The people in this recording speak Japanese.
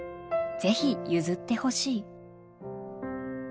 是非譲ってほしい。